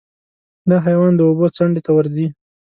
دا حیوان د اوبو څنډې ته ورځي.